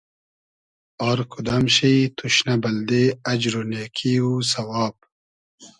آر کودئم شی توشنۂ بئلدې اجر و نېکی و سئواب